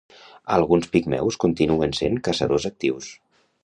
Alguns pigmeus continuen sent caçadors actius.